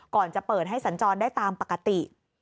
ก่อนจะเปิดให้สัญจรได้ตามปกติ